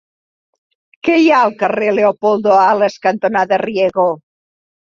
Què hi ha al carrer Leopoldo Alas cantonada Riego?